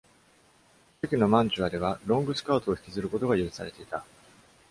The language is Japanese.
初期のマンチュアでは、ロングスカートを引きずることが許されていた。